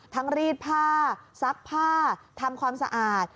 รีดผ้าซักผ้าทำความสะอาด